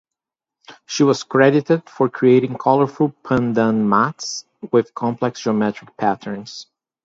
She was credited for creating colorful pandan mats with complex geometric patterns.